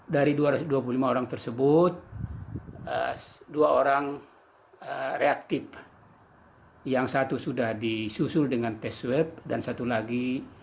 dari dua ratus dua puluh lima orang tersebut dua orang reaktif yang satu sudah disusul dengan tes swab dan satu lagi